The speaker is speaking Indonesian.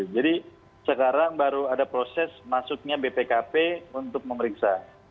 jadi sekarang baru ada proses masuknya bpkp untuk memeriksa